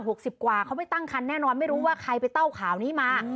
สิบกว่าเขาไม่ตั้งคันแน่นอนไม่รู้ว่าใครไปเต้าข่าวนี้มา